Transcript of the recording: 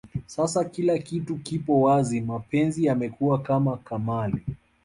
Sasa kila kitu kipo wazi mapenzi yamekuwa kama kamali